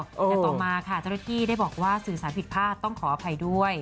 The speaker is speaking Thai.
แต่ต่อมาค่ะเจ้าหน้าที่ได้บอกว่าสื่อสารผิดพลาดต้องขออภัยด้วย